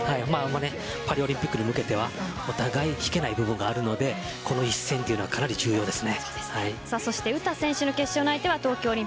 パリオリンピックに向けてはお互いに引けない部分があるのでこの一戦はかなり重要です。